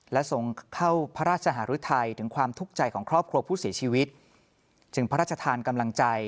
และส่งเข้าพระราชหารุทัยถึงความทุกข์ใจของครอบครัวผู้เสียชีวิตจึงพระราชทานกำลังใจ